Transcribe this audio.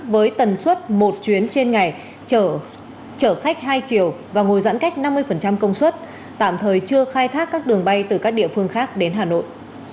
với tần suất một chuyến trên ngày chở khách hai chiều và ngồi giãn cách năm mươi công suất tạm thời chưa khai thác các đường bay từ các địa phương khác đến hà nội